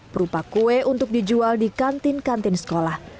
berupa kue untuk dijual di kantin kantin sekolah